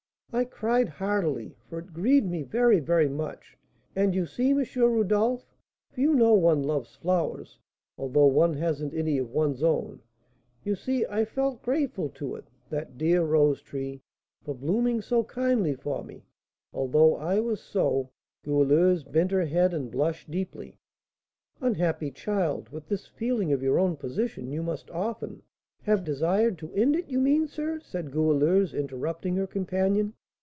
"I cried heartily, for it grieved me very, very much; and you see, M. Rodolph, for you know one loves flowers, although one hasn't any of one's own, you see, I felt grateful to it, that dear rose tree, for blooming so kindly for me, although I was so " Goualeuse bent her head, and blushed deeply. "Unhappy child! With this feeling of your own position, you must often " "Have desired to end it, you mean, sir?" said Goualeuse, interrupting her companion.